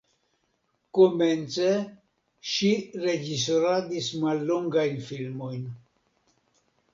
Komence ŝi reĝisoradis mallongajn filmojn.